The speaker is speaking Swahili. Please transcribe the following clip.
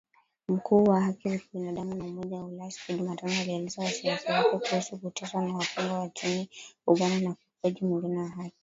Mkuu wa haki za binadamu wa Umoja wa Ulaya, siku ya Jumatano, alielezea wasiwasi wake kuhusu kuteswa kwa wafungwa nchini Uganda na ukiukwaji mwingine wa haki